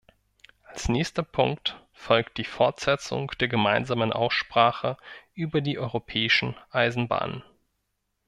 Als nächster Punkt folgt die Fortsetzung der gemeinsamen Aussprache über die europäischen Eisenbahnen.